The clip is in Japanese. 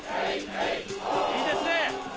いいですね。